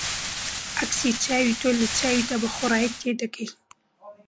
عەکسی چاوی تۆ لە چاویدا بە خواری تێدەگەی